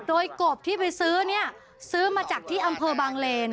โดยกบที่ไปซื้อเนี่ยซื้อมาจากที่อำเภอบางเลน